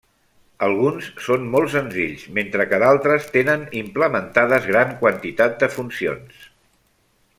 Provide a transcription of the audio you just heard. Alguns són molt senzills, mentre que d'altres tenen implementades gran quantitat de funcions.